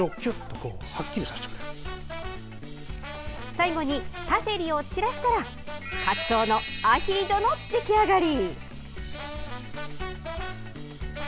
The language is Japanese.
最後にパセリを散らしたらかつおのアヒージョの出来上がり。